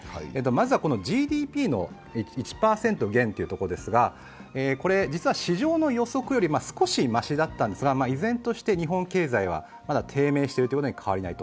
まずはＧＤＰの１％減というところですが、実は市場の予測より少しましだったんですが依然として日本経済は低迷していることに変わりはない。